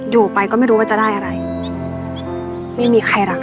อยู่ไปก็ไม่รู้ว่าจะได้อะไรไม่มีใครรัก